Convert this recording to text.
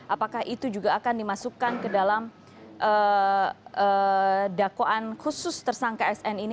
apakah itu juga akan dimasukkan ke dalam dakwaan khusus tersangka sn ini